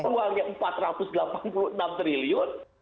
uangnya rp empat ratus delapan puluh enam triliun